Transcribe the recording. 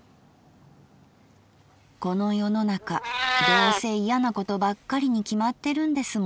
「この世の中どうせ嫌なことばっかりに決まってるんですものね。